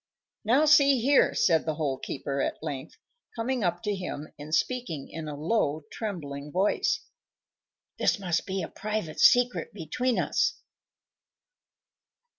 "Now, see here," said the Hole keeper, at length, coming up to him and speaking in a low, trembling voice. "This must be a private secret between us.